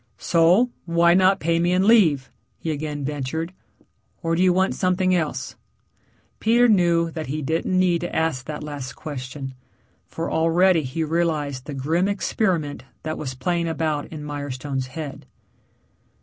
"So, why not pay me and leave?" he again ventured. "Or do you want something else?" Peter knew that he didn't need to ask that last question, for already he realized the grim experiment that was playing about in Mirestone's head.